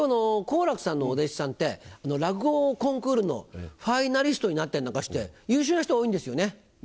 好楽さんのお弟子さんって落語コンクールのファイナリストになったりなんかして優秀な人多いんですよね。